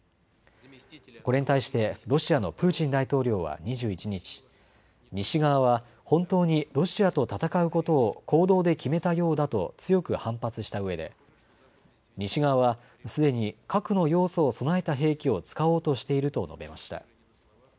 これに対してロシアのプーチン大統領は２１日、西側は本当にロシアと戦うことを行動で決めたようだと強く反発したうえで西側はすでに核の要素を備えた兵器を使おうとしていると述べました。